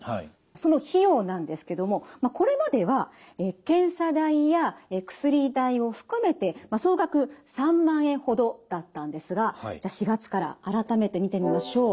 その費用なんですけどもこれまでは検査代や薬代を含めて総額３万円ほどだったんですがじゃあ４月から改めて見てみましょう。